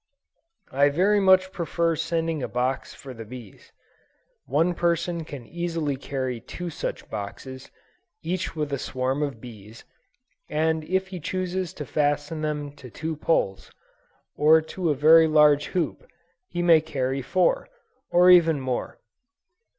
I very much prefer sending a box for the bees: one person can easily carry two such boxes, each with a swarm of bees; and if he chooses to fasten them to two poles, or to a very large hoop, he may carry four, or even more.